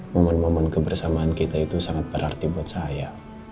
momen momen kebersamaan kita itu sangat berarti buat saya